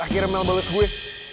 yes akhirnya mel balut gue